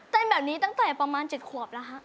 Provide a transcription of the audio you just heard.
แบบนี้ตั้งแต่ประมาณ๗ขวบแล้วฮะ